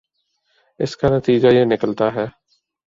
اس کا نتیجہ یہ نکلتا ہے